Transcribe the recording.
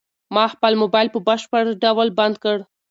ما خپل موبايل په بشپړ ډول بند کړ.